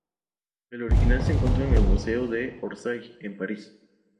El original se encuentra en el Museo de Orsay, en París.